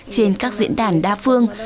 trên các diễn đàn đa phương